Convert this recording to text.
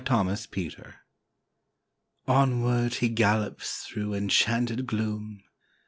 KNIGHT ERRANT Onward he gallops through enchanted gloom.